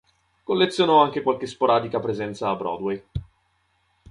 Collezionò anche qualche sporadica presenza a Broadway.